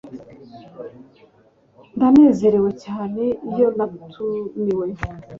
Ndanezerewe cyane iyo natumiwe